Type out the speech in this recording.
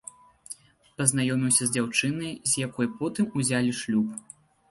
Пазнаёміўся з дзяўчынай, з якой потым узялі шлюб.